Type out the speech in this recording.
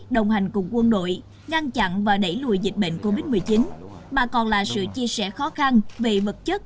đồng hành cùng quân đội ngăn chặn và đẩy lùi dịch bệnh covid một mươi chín mà còn là sự chia sẻ khó khăn về vật chất